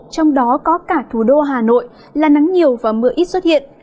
trong đó có cả thủ đô hà nội là nắng nhiều và mưa ít xuất hiện